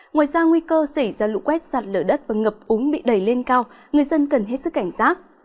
ngoài ra nguy cơ xảy ra lũ quét sạt lở đất và ngập úng bị đẩy lên cao người dân cần hết sức cảnh giác